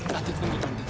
tante tunggu tante